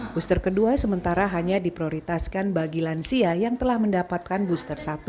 booster kedua sementara hanya diprioritaskan bagi lansia yang telah mendapatkan booster satu